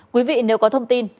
quý vị nếu có thông tin